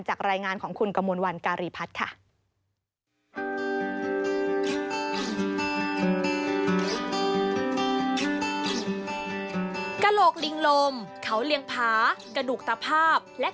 รายงานของคุณกมลวันการีพัฒน์ค่ะ